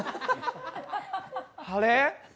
あれ？